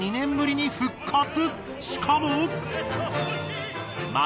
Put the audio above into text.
しかも。